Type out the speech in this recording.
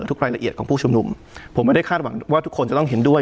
ทุกรายละเอียดของผู้ชุมนุมผมไม่ได้คาดหวังว่าทุกคนจะต้องเห็นด้วย